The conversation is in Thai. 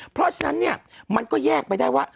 เพราะฉะนั้นเนี่ยมันก็แยกไปได้ว่า